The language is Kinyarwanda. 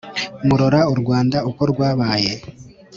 Murora u Rwanda uko rwabaye